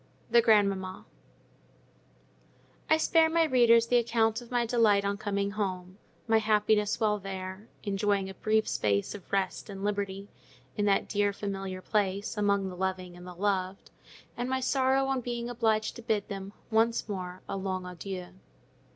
THE GRANDMAMMA I spare my readers the account of my delight on coming home, my happiness while there—enjoying a brief space of rest and liberty in that dear, familiar place, among the loving and the loved—and my sorrow on being obliged to bid them, once more, a long adieu.